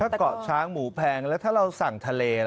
ถ้าเกาะช้างหมูแพงแล้วถ้าเราสั่งทะเล